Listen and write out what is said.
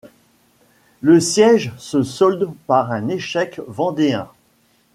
Le siège se solde par un échec vendéen.